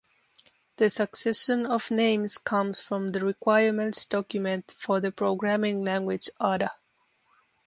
The succession of names comes from the requirements document for the programming language Ada.